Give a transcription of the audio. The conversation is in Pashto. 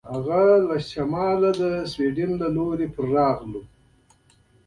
هغوی له شمال او د سیوایډل له لوري پر راغلي.